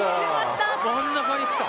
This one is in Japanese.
真ん中に来た。